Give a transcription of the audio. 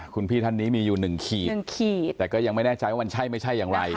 คุณพี่ท่านนี้มีอยู่๑ขีด๑ขีดแต่ก็ยังไม่แน่ใจว่ามันใช่ไม่ใช่อย่างไร